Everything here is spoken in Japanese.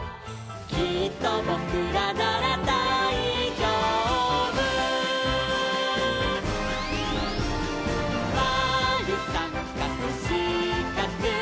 「きっとぼくらならだいじょうぶ」「まるさんかくしかく」